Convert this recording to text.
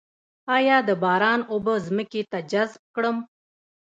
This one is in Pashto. آیا د باران اوبه ځمکې ته جذب کړم؟